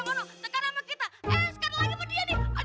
lu lagi dengar